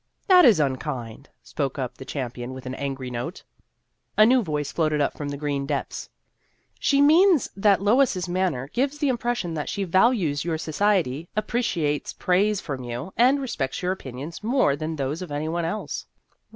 " That is unkind," spoke up the cham pion with an angry note. A new voice floated up from the green depths :" She means that Lois's manner gives the impression that she values your society, appreciates praise from you, and respects your opinions more than those of any one else."